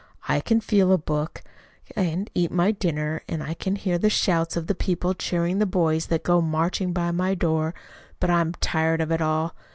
"I can feel a book, and eat my dinner, and I can hear the shouts of the people cheering the boys that go marching by my door. But I'm tired of it all.